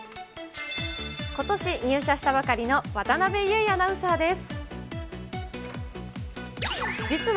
ことし入社したばかりの渡邉結衣アナウンサーです。